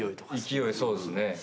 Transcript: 勢いそうですね。